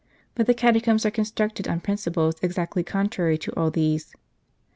But the catacombs are constructed on principles exactly con trary to all these.